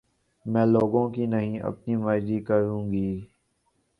میں لوگوں کی نہیں اپنی مرضی کروں گی